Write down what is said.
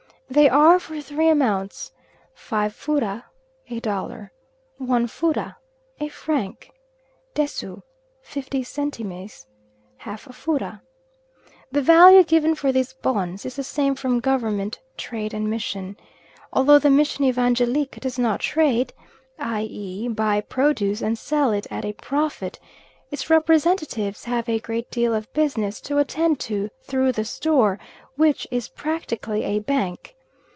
They are for three amounts. Five fura = a dollar. One fura = a franc. Desu = fifty centimes = half a fura. The value given for these "bons" is the same from Government, Trade, and Mission. Although the Mission Evangelique does not trade i.e. buy produce and sell it at a profit, its representatives have a great deal of business to attend to through the store, which is practically a bank.